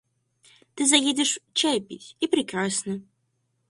Ты заедешь чай пить, и прекрасно!